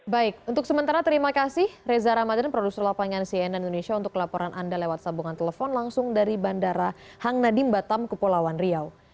baik untuk sementara terima kasih reza ramadan produser lapangan cnn indonesia untuk laporan anda lewat sambungan telepon langsung dari bandara hang nadim batam kepulauan riau